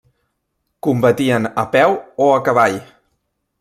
Combatien a peu o a cavall.